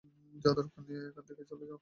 যা দরকার নিয়ে এখান থেকে চলে যাও।